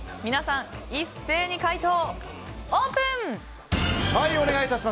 皆さん、一斉に回答をオープン！